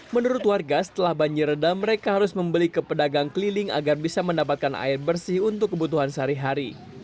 menurut warga setelah banjir reda mereka harus membeli ke pedagang keliling agar bisa mendapatkan air bersih untuk kebutuhan sehari hari